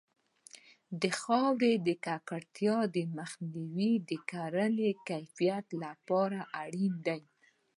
د خاورې د ککړتیا مخنیوی د کرنې د کیفیت لپاره اړین دی.